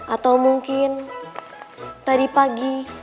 atau mungkin tadi pagi